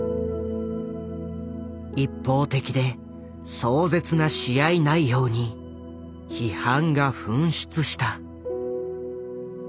一方的で壮絶な試合内容に批判が噴出した。